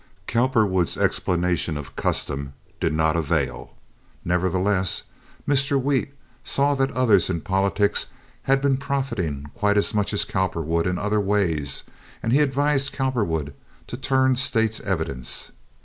Cowperwood's explanation of custom did not avail. Nevertheless, Mr. Wheat saw that others in politics had been profiting quite as much as Cowperwood in other ways and he advised Cowperwood to turn state's evidence.